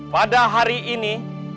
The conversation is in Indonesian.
pada hari ini